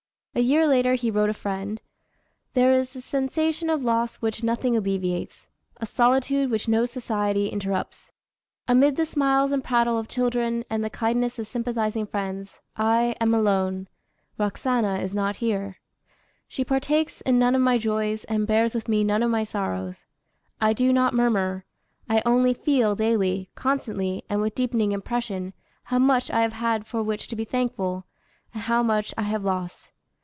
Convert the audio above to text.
A year later he wrote a friend: "There is a sensation of loss which nothing alleviates a solitude which no society interrupts. Amid the smiles and prattle of children, and the kindness of sympathizing friends, I am alone; Roxana is not here. She partakes in none of my joys, and bears with me none of my sorrows. I do not murmur; I only feel daily, constantly, and with deepening impression, how much I have had for which to be thankful, and how much I have lost....